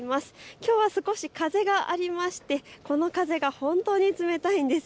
きょうは少し風がありましてこの風が本当に冷たいんです。